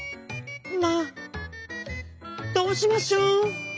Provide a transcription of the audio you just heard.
「まあどうしましょう！？」。